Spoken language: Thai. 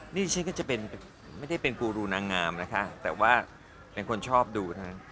นี่ฉันก็จะเป็นไม่ได้เป็นกูรุนางงามมากนะคะแต่ว่าเป็นคนชอบดู